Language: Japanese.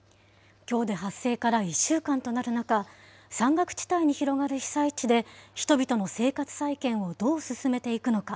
きょうで発生から１週間となる中、山岳地帯に広がる被災地で、人々の生活再建をどう進めていくのか。